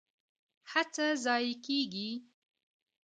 هڅه ضایع کیږي؟